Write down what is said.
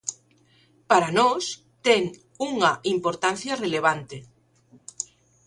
Para nós ten unha importancia relevante.